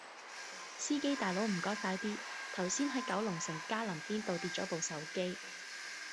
司機大佬唔該快啲，頭先喺九龍城嘉林邊道跌左部手機